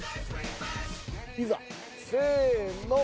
いざせの。